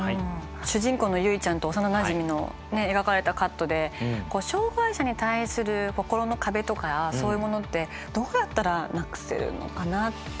主人公の結衣ちゃんと幼なじみの描かれたカットで障害者に対する心の壁とかそういうものってどうやったらなくせるのかなって。